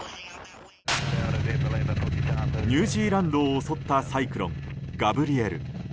ニュージーランドを襲ったサイクロン、ガブリエル。